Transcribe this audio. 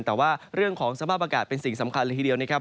แต่ว่าเรื่องของสภาพอากาศเป็นสิ่งสำคัญเลยทีเดียวนะครับ